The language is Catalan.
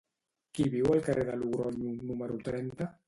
Qui viu al carrer de Logronyo número trenta?